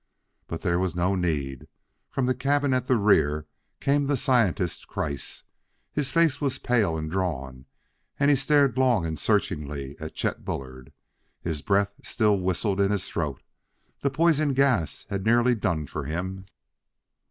But there was no need: from the cabin at the rear came the scientist, Kreiss. His face was pale and drawn, and he stared long and searchingly at Chet Bullard. His breath still whistled in his throat; the poison gas had nearly done for him.